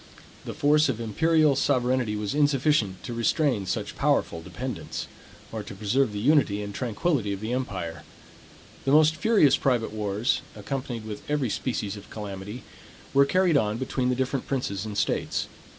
The force of imperial sovereignty was insufficient to restrain such powerful dependants; or to preserve the unity and tranquillity of the empire. The most furious private wars, accompanied with every species of calamity, were carried on between the different princes and states.